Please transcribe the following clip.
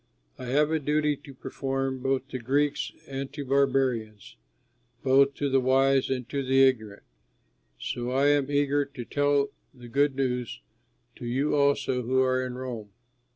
I have a duty to perform both to Greeks and to barbarians; both to the wise and to the ignorant; so I am eager to tell the good news to you also who are in Rome.